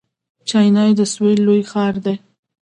چنای د سویل لوی ښار دی.